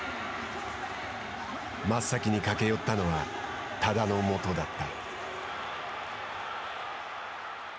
真っ先に駆け寄ったのは多田のもとだった。